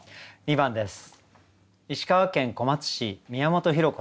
２番です。